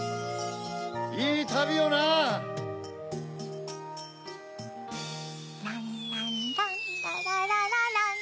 いいたびをな！ランランランラララララン